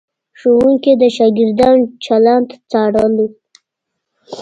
ښوونکي د شاګردانو چلند څارلو.